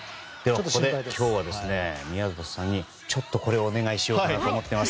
ここで今日は宮里さんにこれをお願いしようかなと思います。